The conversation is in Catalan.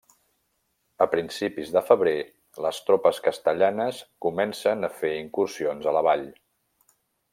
A principis de febrer, les tropes castellanes comencen a fer incursions a la vall.